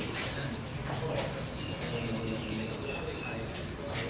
สวัสดีครับทุกคน